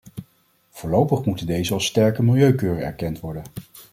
Voorlopig moeten deze als sterke milieukeuren erkend worden.